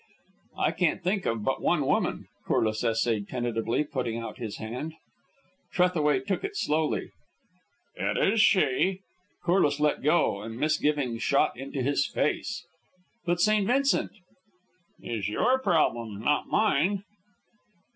"I can't think of but one woman," Corliss essayed tentatively, putting out his hand. Trethaway shook it slowly. "It is she." Corliss let go, and misgiving shot into his face. "But St. Vincent?" "Is your problem, not mine."